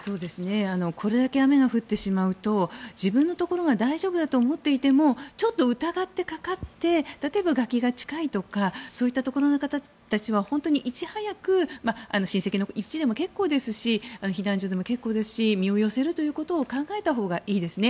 これだけ雨が降ってしまうと自分のところが大丈夫だと思っていてもちょっと疑ってかかって例えば崖が近いとかそういったところの方たちは本当にいち早く親戚のうちでも結構ですし避難所でも結構ですし身を寄せるということを考えたほうがいいですね。